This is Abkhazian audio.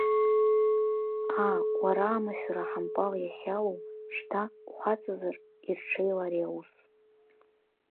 Аа, уара, амашәыр аҳампал иахьалоу, шьҭа, ухаҵазар, ирҽеила ари аус!